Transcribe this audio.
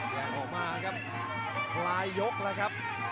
แกล้งออกมาครับลายยกแล้วครับ